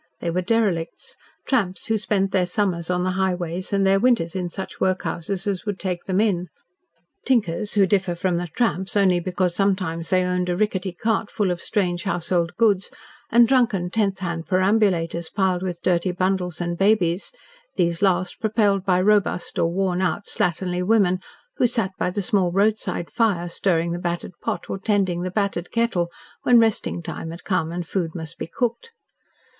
They were derelicts tramps who spent their summers on the highways and their winters in such workhouses as would take them in; tinkers, who differ from the tramps only because sometimes they owned a rickety cart full of strange household goods and drunken tenth hand perambulators piled with dirty bundles and babies, these last propelled by robust or worn out, slatternly women, who sat by the small roadside fire stirring the battered pot or tending the battered kettle, when resting time had come and food must be cooked.